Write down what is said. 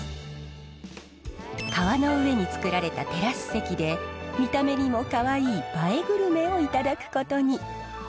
川の上に作られたテラス席で見た目にもかわいい「映えグルメ」をいただくことに。